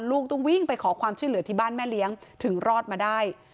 ลูกต้องวิ่งไปขอความช่วยเหลือที่บ้านแม่เลี้ยงถึงรอดมาได้